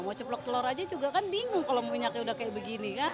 mau ceplok telur aja juga kan bingung kalau minyaknya udah kayak begini kan